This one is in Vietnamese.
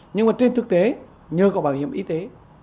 nhưng mà trên thực tế nhờ có bảo hiểm y tế